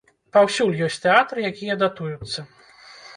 Паўсюль ёсць тэатры, якія датуюцца.